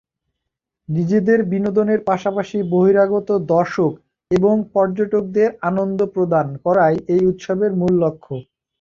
নিজেদের বিনোদনের পাশাপাশি বহিরাগত দর্শক এবং পর্যটকদের আনন্দ প্রদান করাই এই উৎসবের মূল লক্ষ্য।